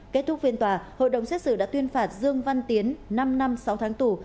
kết thúc phiên tòa hội đồng xét xử đã tuyên phạt dương văn tiến năm năm sáu tháng tù